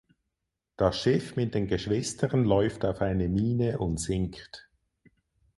Das Schiff mit den Geschwistern läuft auf eine Mine und sinkt.